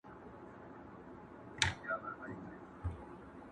ته راته ږغېږه زه به ټول وجود غوږ غوږ سمه.